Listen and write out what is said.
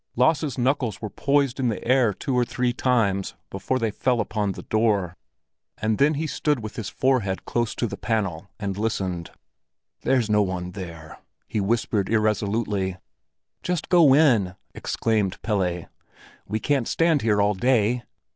Lasse's knuckles were poised in the air two or three times before they fell upon the door; and then he stood with his forehead close to the panel and listened. "There's no one there," he whispered irresolutely. "Just go in!" exclaimed Pelle. "We can't stand here all day."